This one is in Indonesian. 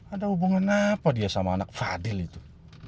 ada hubungan apa dia sama anak fadil itu